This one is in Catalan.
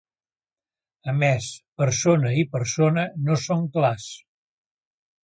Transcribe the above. A més, Persona i Persona no són clars.